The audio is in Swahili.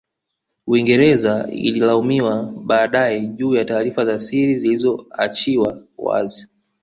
Uingereza Ililaumiwa baadae juu ya taarifa za siri zilizo achiwa wazi